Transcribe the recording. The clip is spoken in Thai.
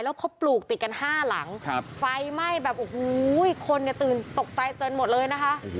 แล้วเขาปลูกติดกัน๕หลังไฟไหม้แบบโอ้โหคนเนี่ยตื่นตกใจเตือนหมดเลยนะคะ